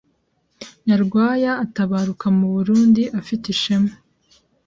Nyarwaya atabaruka mu Burundi afite ishema